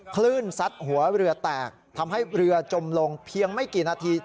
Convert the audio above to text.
ซัดหัวเรือแตกทำให้เรือจมลงเพียงไม่กี่นาที